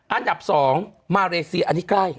อันดับ๒มาเลเซียอันนี้ใกล้